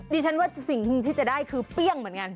ดิฉันว่าสิ่งที่จะได้คือเปรี้ยงเหมือนกัน